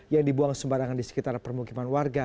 yang dibuang sembarangan di sekitar permukiman warga